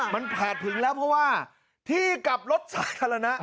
มันผ่านถึงแล้วเพราะว่าที่กลับรถสาธารณะ